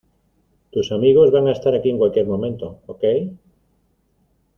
Tus amigos van a estar aquí en cualquier momento. ¡ ok!